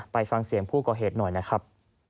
ไปฟังเสียงผู้ก่อเหตุหน่อยนะครับ